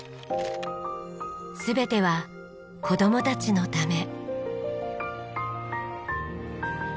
全ては子供たちのため。